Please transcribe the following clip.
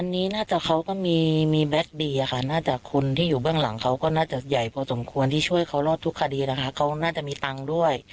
อันนี้น่าจะเขาก็มีแบ็คดีค่ะน่าจะคนที่อยู่เบื้องหลังเขาก็น่าจะใหญ่พอสมควรที่ช่วยเขารอดทุกคดีนะคะเขาน่าจะมีตังค์ด้วย